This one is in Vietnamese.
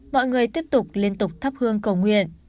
mọi người tiếp tục liên tục thắp hương cầu nguyện